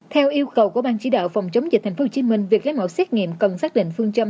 theo yêu cầu của bang chỉ đạo phòng chống dịch tp hcm việc lấy mẫu xét nghiệm cần xác định phương châm